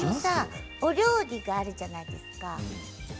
お料理があるじゃないですか。